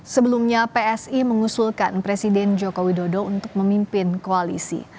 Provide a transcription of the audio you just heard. sebelumnya psi mengusulkan presiden joko widodo untuk memimpin koalisi